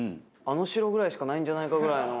あの白ぐらいしかないんじゃないかぐらいの。